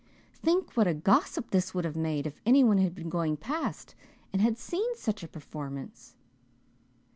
Think what a gossip this would have made if anyone had been going past and had seen such a performance."